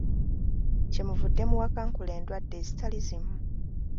Kyemuvudde muwakankula endwadde ezitali zimu!